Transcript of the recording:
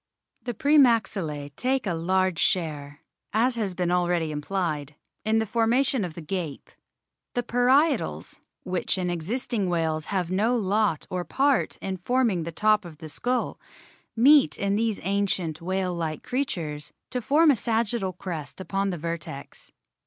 The pre maxillae take a large share, as has been already implied, in the formation of the gape. The parietals, which in 3 io A BOOK OF WHALES existing whales have no lot or part in forming the top of the skull, meet in these ancient whale like creatures to form a sagittal crest upon the vertex.